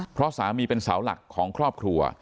เพราะสามีเป็นเสาหลักของครอบครัว